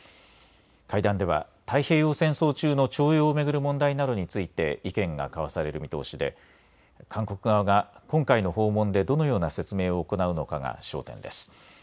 会談では太平洋戦争中の徴用を巡る問題などについて意見が交わされる見通しで韓国側が今回の訪問でどのような説明を行うのかが焦点です。